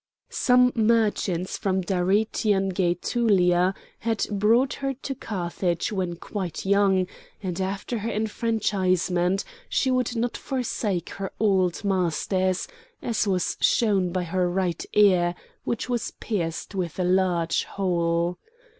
Some merchants from Darytian Gætulia had brought her to Carthage when quite young, and after her enfranchisement she would not forsake her old masters, as was shown by her right ear, which was pierced with a large hole.